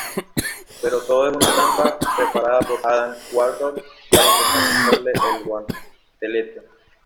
Pero todo es una trampa preparada por Adam Warlock para intentar quitarle el guantelete.